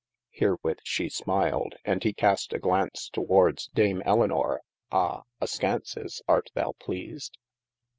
Herewith shee (a) as who smiled, and he cast a glance towards dame Elinor, [a) askances arte thou pleased?